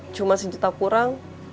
cuma sejuta kurang